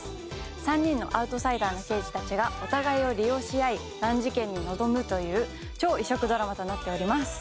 ３人のアウトサイダーな刑事たちがお互いを利用し合い難事件に臨むという超異色ドラマとなっております。